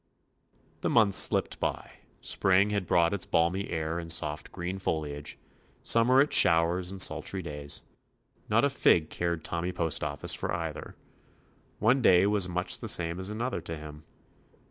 The months slipped by. Spring had brought its balmy air and soft green foliage. Summer its showers and sultry days, — not a fig cared Tommy Postoffice for either. One day was much the same as another to him.